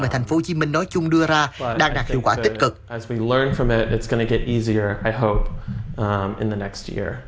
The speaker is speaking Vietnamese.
và thành phố hồ chí minh nói chung đưa ra đang đạt hiệu quả tích cực